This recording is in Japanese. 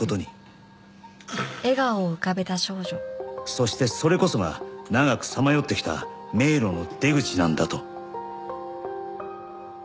そしてそれこそが長くさまよってきた迷路の出口なんだと。